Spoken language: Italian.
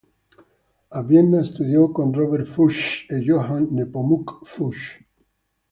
A Vienna studiò con Robert Fuchs e Johann Nepomuk Fuchs.